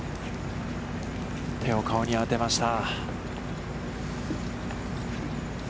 手を顔に当てました。